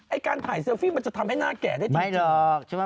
การถ่ายเซลฟี่มันจะทำให้หน้าแก่ได้จริง